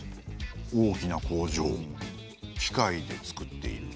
大きな工場機械で作っている。